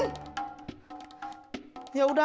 tunggu di rumah